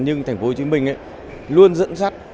nhưng thành phố hồ chí minh luôn dẫn dắt